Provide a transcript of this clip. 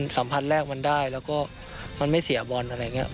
สัมผัสแรกได้แล้วไม่เสียบน